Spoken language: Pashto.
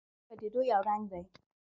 نفت د افغانستان د طبیعي پدیدو یو رنګ دی.